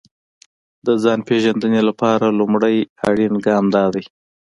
د ځان پېژندنې لپاره لومړی اړين ګام دا دی.